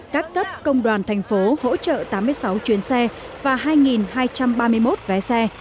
các cấp công đoàn thành phố hỗ trợ tám mươi sáu chuyến xe và hai hai trăm ba mươi một vé xe